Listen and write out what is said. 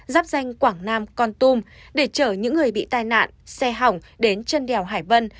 giáp danh quảng nam con tum để chở những người bị tai nạn xe hỏng đến chân đèo hải vân